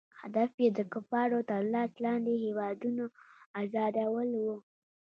هدف یې د کفارو تر لاس لاندې هیوادونو آزادول وو.